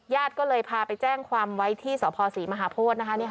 ญาติก็เลยพาไปแจ้งความไว้ที่สภศรีมหาโพธิ